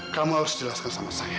kamu harus jelaskan sama saya